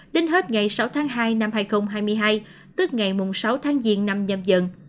đến hết ngày sáu tháng hai năm hai nghìn hai mươi hai tức ngày mùng sáu tháng diên năm nhầm dần